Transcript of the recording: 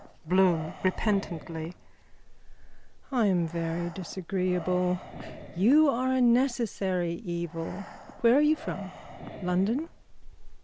BLOOM: (Repentantly.) I am very disagreeable. You are a necessary evil. Where are you from? London?